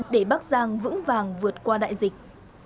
để bắc giang vững vàng vượt qua đại dịch